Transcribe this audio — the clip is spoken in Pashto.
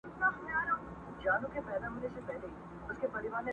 o د سرو پېزوانه گړنگو زوړ کړې!